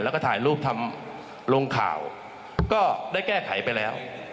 แล้วก็ถ่ายรูปทำลงข่าวก็ได้แก้ไขไปแล้ว